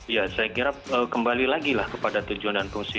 ya saya kira kembali lagi lah kepada tujuan dan fungsi